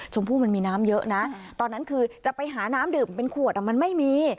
ชมพู่มันมีน้ำเยอะนะตอนนั้นคือจะไปหาน้ำดื่มเป็นขวดมันไม่มี